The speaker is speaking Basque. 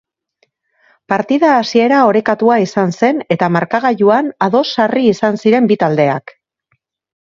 Partida hasiera orekatua izan zen eta markagailuan ados sarri izan ziren bi taldeak.